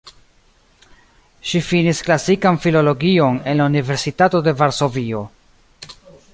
Ŝi finis klasikan filologion en la Universitato de Varsovio.